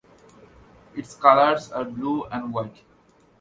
Its colors are blue and white.